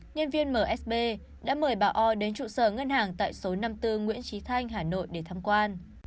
nhân viên msb đã mời bà o đến trụ sở ngân hàng tại số năm mươi bốn nguyễn trí thanh hà nội để thăm quan